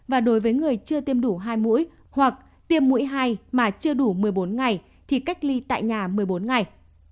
và đối với người chưa tiêm đủ hai mũi hoặc tiêm mũi hai mà chưa đủ một mươi bốn ngày thì cách ly tại nhà một mươi bốn ngày